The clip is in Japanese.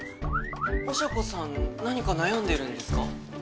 おしゃ子さん何か悩んでるんですか？